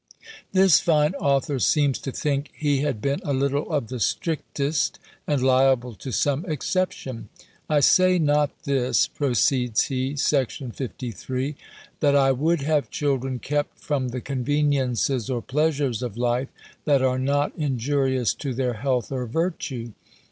This fine author seems to think he had been a little of the strictest, and liable to some exception. "I say not this," proceeds he, (Section 53) "that I would have children kept from the conveniences or pleasures of life, that are not injurious to their health or virtue.